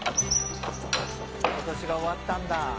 今年が終わったんだ。